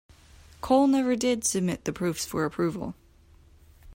Cole never did submit the proofs for approval.